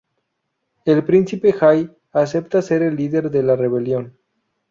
El príncipe Jai acepta ser el líder de la rebelión.